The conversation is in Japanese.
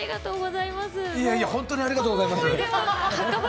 いやいや本当にありがとうございます。